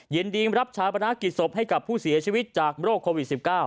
ยินดีรับชาปนากิจศพให้กับผู้เสียชีวิตจากโรคโควิด๑๙